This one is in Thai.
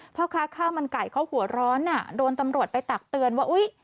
พ่อค้าข้าวมันไก่เขาหัวร้อนอ่ะโดนตำรวจไปตักเตือนว่าอุ๊ย